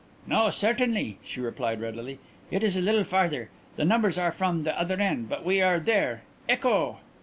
"No, certainly," she replied readily. "It is a little farther. The numbers are from the other end. But we are there. _Ecco!